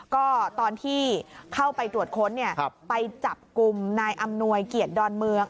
ก็ตอนที่เข้าไปตรวจค้นไปจับกลุ่มนายอำนวยเกียรติดอนเมือง